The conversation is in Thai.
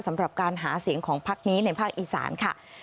สำหรับการหาเสียงของพักนี้ในภาคอีสานค่ะ